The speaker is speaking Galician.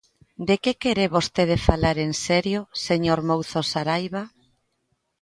¿De que quere vostede falar en serio, señor Mouzo Saraiba?